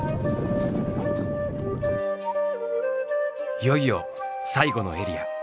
いよいよ最後のエリア